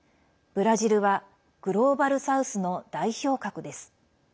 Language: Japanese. ブラジルはグローバル・サウスの代表格です。